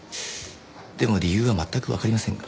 でも理由は全くわかりませんが。